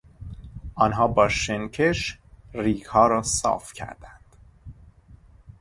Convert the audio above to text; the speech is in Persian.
آنها با شن کش ریگها راصاف کردند.